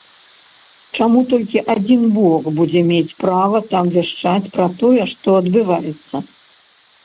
Чаму толькі адзін бок будзе мець права там вяшчаць пра тое, што адбываецца.